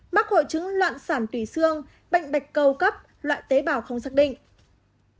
mắc hội chứng loạn sản tùy xương bệnh bạch cầu cấp loại tế bào không xác định